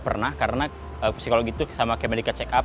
pernah karena psikolog itu sama kemedika check up